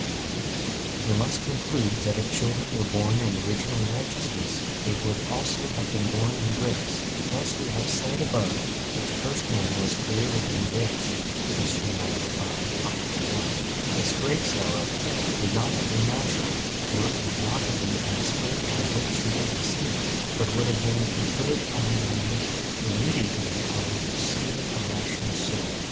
1), we must conclude that if children were born in original righteousness, they would also have been born in grace; thus we have said above that the first man was created in grace (Q. 95, A. 1). This grace, however, would not have been natural, for it would not have been transfused by virtue of the semen; but would have been conferred on man immediately on his receiving a rational soul.